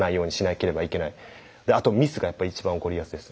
あとミスが一番起こりやすいです。